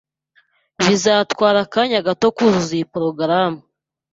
Bizatwara akanya gato kuzuza iyi porogaramu.